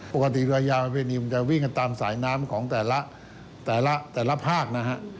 ปกติเรือยาวประเพณีมันจะวิ่งกันตามสายน้ำของแต่ละแต่ละภาคนะฮะ